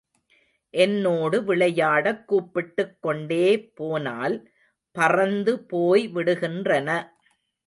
என்னோடு விளையாடக் கூப்பிட்டுக்கொண்டே போனால் பறந்து போய்விடுகின்றன.